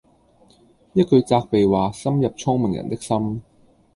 一句責備話深入聰明人的心